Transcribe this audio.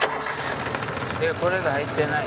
これが入ってない。